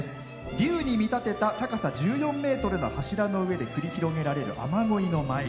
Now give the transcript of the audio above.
竜に見立てた高さ１４ｍの柱の上で繰り広げられる、雨ごいの舞。